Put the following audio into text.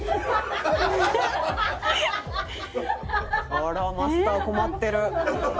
あらマスター困ってる。